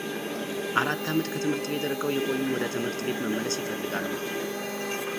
አራት ዓመት ከትምህር ቤት ርቀው የቆዩ ወደ ትምህር ቤት መመለስ ይፈልጋሉ።